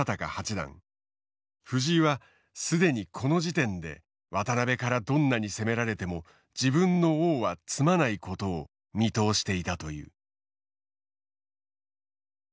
藤井は既にこの時点で渡辺からどんなに攻められても自分の王は詰まないことを見通していたという。